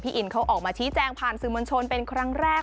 อินเขาออกมาชี้แจงผ่านสื่อมวลชนเป็นครั้งแรก